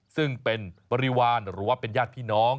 ซึ่งเป็นบริวารหรือว่าเป็นญาติพี่น้อง